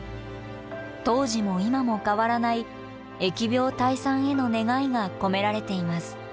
当時も今も変わらない疫病退散への願いが込められています。